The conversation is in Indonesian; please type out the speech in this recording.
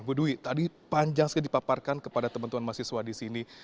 bu dwi tadi panjang sekali dipaparkan kepada teman teman mahasiswa di sini